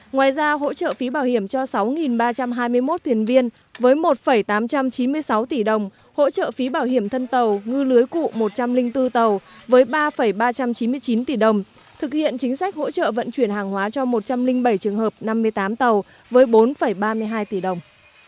ngoài ra hỗ trợ phí bảo hiểm cho sáu ba trăm hai mươi một thuyền viên với một tám trăm chín mươi sáu tỷ đồng hỗ trợ phí bảo hiểm thân tàu ngư lưới cụ một trăm linh bốn tàu với ba ba trăm chín mươi chín tỷ đồng thực hiện chính sách hỗ trợ vận chuyển hàng hóa cho một trăm linh bảy trường hợp năm mươi tám tàu với bốn ba mươi hai tỷ đồng